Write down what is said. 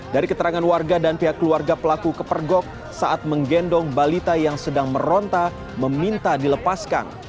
dari keterangan warga dan pihak keluarga pelaku kepergok saat menggendong balita yang sedang meronta meminta dilepaskan